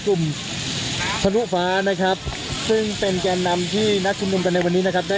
กลุ่มทะลุฟ้านะครับซึ่งเป็นแกนนำที่นัดชุมนุมกันในวันนี้นะครับได้